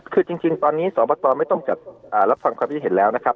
คือจริงตอนนี้สอบประกอบไม่ต้องจัดรับฟังความคิดเห็นแล้วนะครับ